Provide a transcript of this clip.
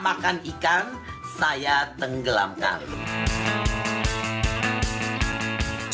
sontak netizen pun bereaksi beberapa netizen merespon kecaman tersebut dengan pengakuan bahwa mereka suka makan ikan